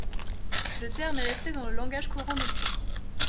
Le terme est resté dans le langage courant depuis.